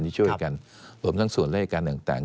ที่ช่วยกันรวมทั้งส่วนและอาการต่าง